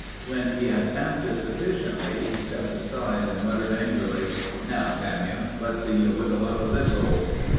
When he had tamped it sufficiently he stepped aside and muttered angrily: "Now dam' you—let's see you wiggle out of this hole!"